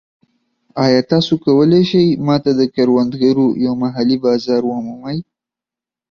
ایا تاسو کولی شئ ما ته د کروندګرو یو محلي بازار ومومئ؟